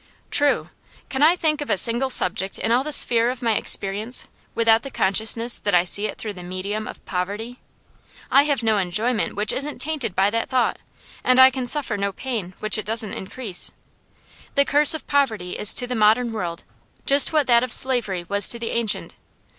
'True. Can I think of a single subject in all the sphere of my experience without the consciousness that I see it through the medium of poverty? I have no enjoyment which isn't tainted by that thought, and I can suffer no pain which it doesn't increase. The curse of poverty is to the modern world just what that of slavery was to the ancient.